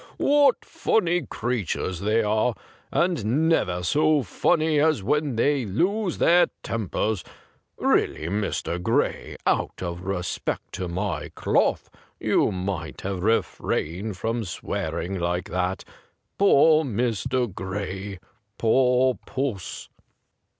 What funny creatures they are, and never so funny as when they lose their tempers ! Really, Mr. Gray, out of respect to my cloth, you might have refrained from swearing like that. Poor Mr. Gray ! Poor puss